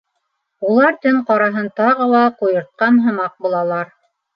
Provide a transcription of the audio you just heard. Улар төн ҡараһын тағы ла ҡуйыртҡан һымаҡ булалар.